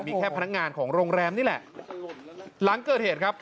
มีแค่พนักงานของโรงแรมนี่แหละหลังเกิดเหตุครับ